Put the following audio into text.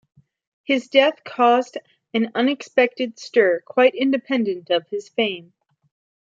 His death caused an unexpected stir, quite independent of his fame.